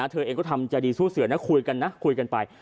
เธอเองก็ทำใจดีสู้เสือนะคุยกันนะคุยกันไป